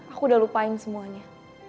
aku udah lupain semuanya